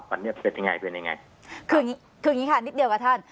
วันนี้เป็นยังไงเป็นยังไงคืออย่างงี้ค่ะนิดเดียวกับท่าน